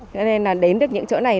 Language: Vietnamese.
cho nên là đến được những chỗ này